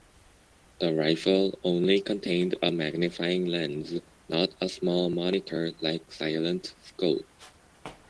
The rifle only contained a magnifying lens, not a small monitor like Silent Scope.